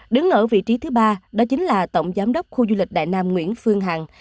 đứng ở vị trí thứ ba đó chính là tổng giám đốc khu du lịch đại nam nguyễn phương hằng